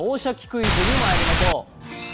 クイズ」にまいりましょう。